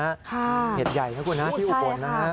ค่ะใช่ค่ะเหตุใหญ่นะครับที่อุบลนะฮะ